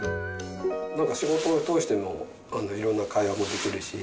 仕事を通してのいろんな会話もできるし。